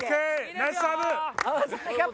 ナイスサーブ！